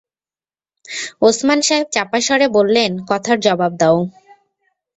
ওসমান সাহেব চাপা স্বরে বললেন, কথার জবাব দাও।